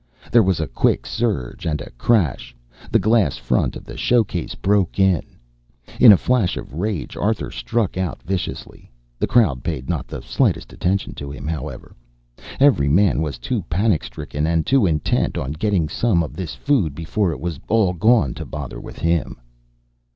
There was a quick surge and a crash. The glass front of the showcase broke in. In a flash of rage Arthur struck out viciously. The crowd paid not the slightest attention to him, however. Every man was too panic stricken, and too intent on getting some of this food before it was all gone to bother with him.